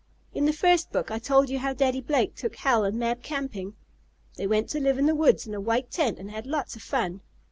In the first book I told you how Daddy Blake took Hal and Mab camping. They went to live in the woods in a white tent and had lots of fun.